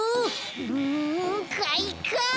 うんかいか！